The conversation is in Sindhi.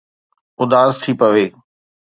اداس ٿي پوي